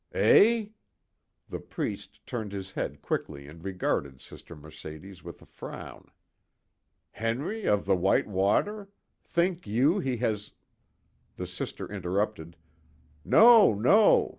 "Eh?" The priest turned his head quickly and regarded Sister Mercedes with a frown. "Henri of the White Water? Think you he has " The Sister interrupted: "No, no!